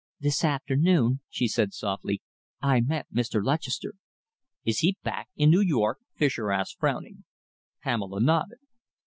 "This afternoon," she said softly, "I met Mr. Lutchester." "Is he back in New York?" Fischer asked, frowning. Pamela nodded.